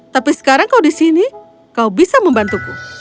tapi sekarang kau di sini kau bisa membantuku